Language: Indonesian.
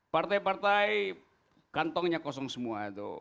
partai partai kantongnya kosong semua itu